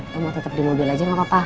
kamu tetep di mobil aja gak apa apa